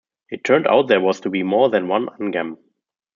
It turned out there was to be more than one Angam.